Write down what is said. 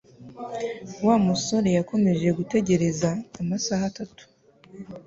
wa musore yakomeje gutegereza amasaha atatu.